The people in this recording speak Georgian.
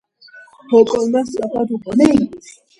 ჰოკონმა სწრაფად უპასუხა.